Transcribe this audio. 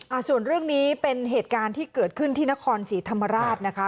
ส่วนเรื่องนี้เป็นเหตุการณ์ที่เกิดขึ้นที่นครศรีธรรมราชนะคะ